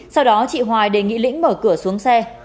sau đó chị hoài đề nghị lĩnh mở cửa xuống xe